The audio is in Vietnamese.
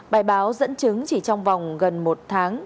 bài báo dẫn chứng chỉ trong vòng gần một tháng